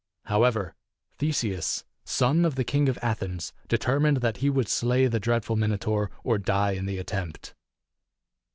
However, The seus, son of the King of Athens, determined that he would slay the dreadful Minotaur, or die in the attempt.